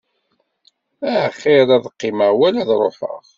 Axiṛ ad qqimeɣ wala ad ṛuḥeɣ.